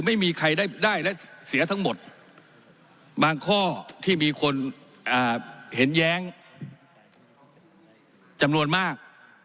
ไม่มีใครได้และเสียทั้งหมดบางข้อที่มีคนเห็นแย้งจำนวนมาก